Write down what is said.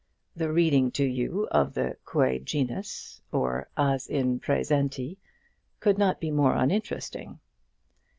The reading to you of the "Quæ genus," or "As in præsenti," could not be more uninteresting.